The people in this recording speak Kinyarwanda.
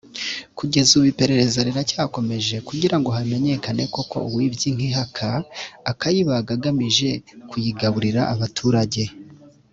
Kugeza ubu iperereza riracyakomeje kugira ngo hamenyekane koko uwibye inka ihaka akayibaga agamije kuyigaburira abaturage